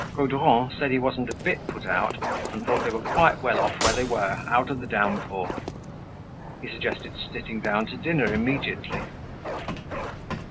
Gaudron said he wasn't a bit put out and thought they were quite well off where they were, out of the downpour. He suggested sitting down to dinner immediately.